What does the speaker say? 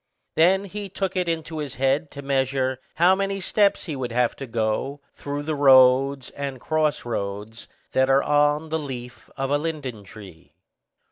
Then he took it into his head to measure how many steps he would have to go through the roads and cross roads that are on the leaf of a linden tree.